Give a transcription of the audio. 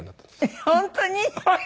えっ本当に？